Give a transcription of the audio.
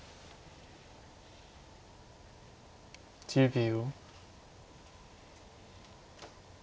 １０秒。